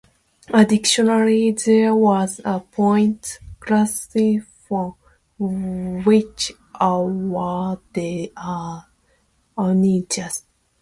Additionally, there was a points classification, which awarded a mauve jersey.